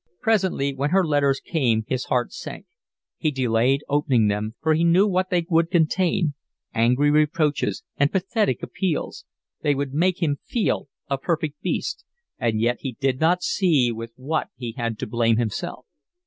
Presently when her letters came his heart sank: he delayed opening them, for he knew what they would contain, angry reproaches and pathetic appeals; they would make him feel a perfect beast, and yet he did not see with what he had to blame himself.